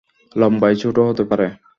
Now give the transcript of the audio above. লম্বায় ছোট হতে পারে।